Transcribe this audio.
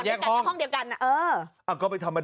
การนอนไม่จำเป็นต้องมีอะไรกัน